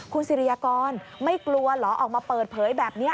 คุณสิริยากรไม่กลัวเหรอออกมาเปิดเผยแบบนี้